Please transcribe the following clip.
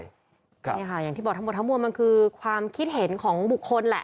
นี่ค่ะอย่างที่บอกทั้งหมดทั้งมวลมันคือความคิดเห็นของบุคคลแหละ